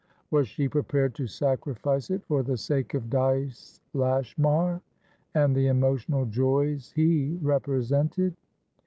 Was she prepared to sacrifice it for the sake of Dyce Lashmar, and the emotional joys he represented?